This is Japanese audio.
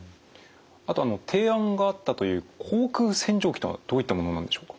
あとあの提案があったという口腔洗浄機とはどういったものなんでしょうか？